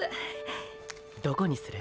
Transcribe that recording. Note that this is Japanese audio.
どこにする？